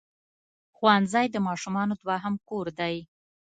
ښوونځی د ماشومانو دوهم کور دی.